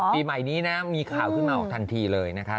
ปีใหม่นี้นะมีข่าวขึ้นมาทันทีเลยนะคะ